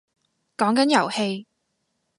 講緊遊戲